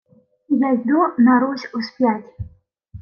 — Я йду на Русь yсп'ять.